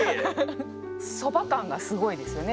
そば感がすごいですよね。